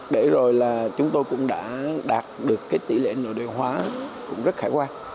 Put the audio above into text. để rồi là chúng tôi cũng đã đạt được cái tỷ lệ nội địa hóa cũng rất khả quan